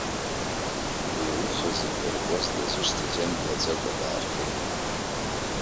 Уи ауха зымҩа ркуаз дызусҭаз иамҳәаӡакәа дааргеит.